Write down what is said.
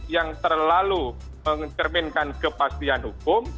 yang terlalu mencerminkan kepastian hukum